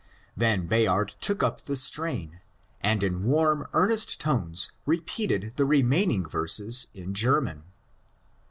Then Bayard took up the strain, and in warm, earnest tones repeated the remaining verses in German.